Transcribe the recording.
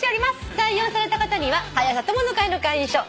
採用された方には「はや朝友の会」の会員証そして。